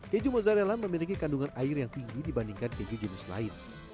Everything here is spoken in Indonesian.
keju mozzarella memiliki kandungan air yang tinggi dibandingkan keju jenis lain